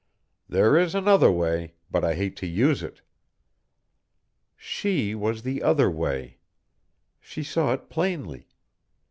There is another way, but I hate to use it._" She was the other way! She saw it plainly.